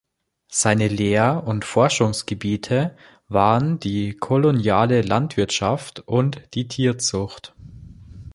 Seine Lehr- und Forschungsgebiete waren die koloniale Landwirtschaft und die Tierzucht.